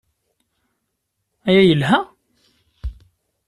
Aya yelha?